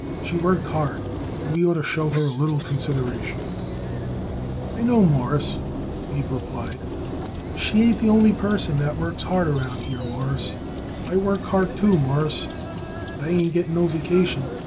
"She worked hard and we ought to show her a little consideration." "I know, Mawruss," Abe replied; "but she ain't the only person what works hard around here, Mawruss. I work hard, too, Mawruss, but I ain't getting no vacation.